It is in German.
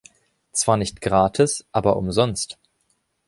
Zwar nicht gratis, aber umsonst.